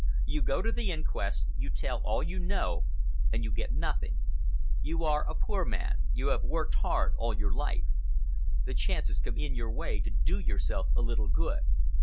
You go to the inquest, you tell all you know, and you get nothing. You are a poor man, you have worked hard all your life. The chance has come in your way to do yourself a little good.